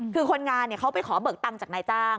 คือคนงานเขาไปขอเบิกตังค์จากนายจ้าง